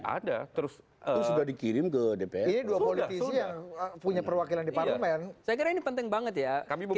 ada terus sudah dikirim ke depan punya perwakilan di parlemen penting banget ya